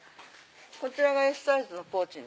こちらがＳサイズのポーチ。